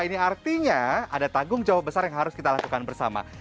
ini artinya ada tanggung jawab besar yang harus kita lakukan bersama